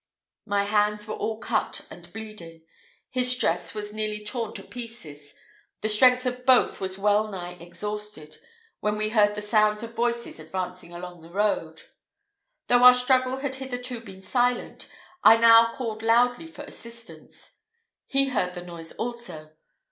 My hands were all cut and bleeding, his dress was nearly torn to pieces, the strength of both was well nigh exhausted, when we heard the sounds of voices advancing along the road. Though our struggle had hitherto been silent, I now called loudly for assistance. He heard the noise also.